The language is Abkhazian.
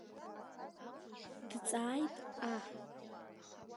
Дҵааит аҳ.